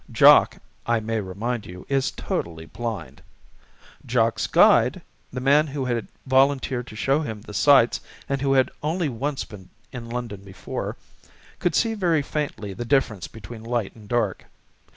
Jock, I may remind you, is totally blind. Jock's guide, the man who had volunteered to show him the sights and who had only once been in London before, could see very faintly the difference between light and dark....